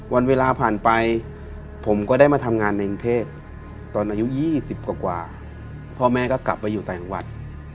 วันเวลาผ่านไปผมก็ได้มาทำงานในกรุงเทพตอนอายุ๒๐กว่าพ่อแม่ก็กลับไปอยู่ต่างจังหวัด